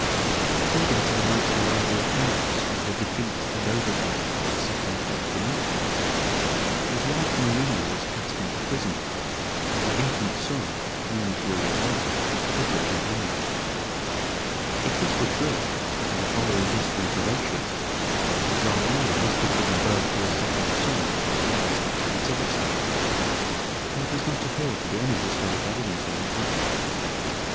According to the most reliable accounts of the defeat and overthrow of the second false Demetrius, his wife Marina was cast into prison, and their infant son, only three years old, publicly hanged. If this were true, and the following history veracious, the Czarina must have given birth to a second son whilst in captivity; but there does not appear to be any historic evidence on the point.